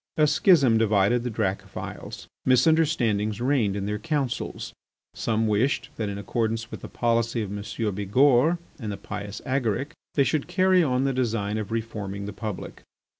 A schism divided the Dracophils. Misunderstandings reigned in their councils. Some wished that in accordance with the policy of M. Bigourd and the pious Agaric, they should carry on the design of reforming the Republic.